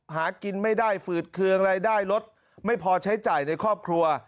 หากินไม่ได้ฝืดเคืองรายได้ลดไม่พอใช้จ่ายในครอบครัว